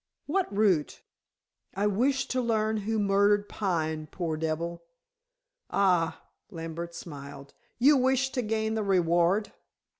"What root?" "I wish to learn who murdered Pine, poor devil." "Ah," Lambert smiled. "You wish to gain the reward."